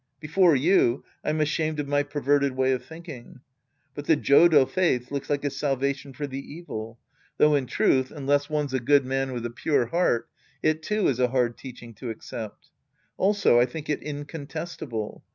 Before you, I'm ashamed of my perverted way of tliinldng. But the Jodo faith looks like a salvation for the evil ; though, in truth, unless one's a good man with a pure heart, it too, is a hard teacliing to accept. Also, I think it incontestable.